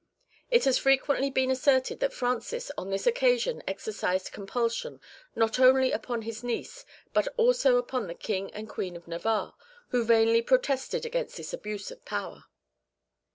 It has frequently been asserted that Francis on this occasion exercised compulsion not only upon his niece, but also upon the King and Queen of Navarre, who vainly protested against this abuse of power.